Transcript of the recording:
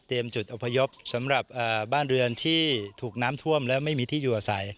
จุดอพยพสำหรับบ้านเรือนที่ถูกน้ำท่วมและไม่มีที่อยู่อาศัย